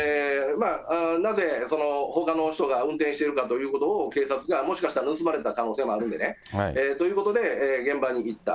なぜそのほかの人が運転しているかということを、警察が、もしかしたら盗まれた可能性もあるんでね、ということで現場に行った。